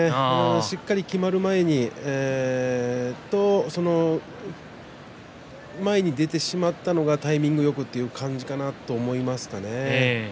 しっかりきまる前にそれと前に出てしまったのはタイミングよくという感じかなと思いますかね。